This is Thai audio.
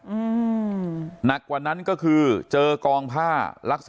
อืมหนักกว่านั้นก็คือเจอกองผ้าลักษณะ